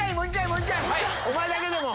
おまえだけでも。